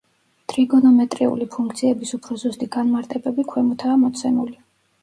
ტრიგონომეტრიული ფუნქციების უფრო ზუსტი განმარტებები ქვემოთაა მოცემული.